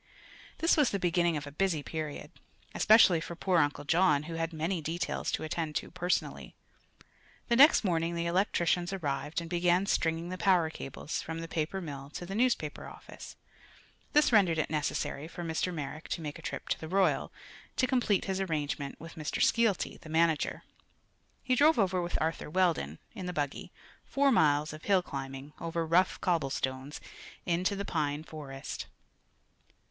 This was the beginning of a busy period, especially for poor Uncle John, who had many details to attend to personally. The next morning the electricians arrived and began stringing the power cables from the paper mill to the newspaper office. This rendered it necessary for Mr. Merrick to make a trip to Royal, to complete his arrangement with Mr. Skeelty, the manager. He drove over with Arthur Weldon, in the buggy four miles of hill climbing, over rough cobble stones, into the pine forest.